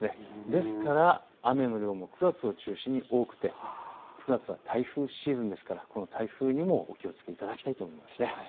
ですから雨の量も９月を中心に多くて９月は台風シーズンですから台風にもお気をつけいただきたいと思います。